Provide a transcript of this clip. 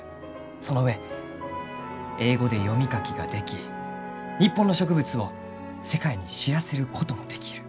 その上英語で読み書きができ日本の植物を世界に知らせることもできる。